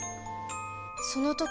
その時